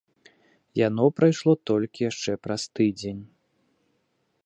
Яно прыйшло толькі яшчэ праз тыдзень.